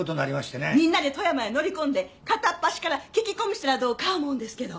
みんなで富山へ乗り込んで片っ端から聞き込みしたらどうか思うんですけど。